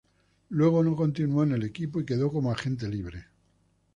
Luego no continuó en el equipo y quedó como agente libre.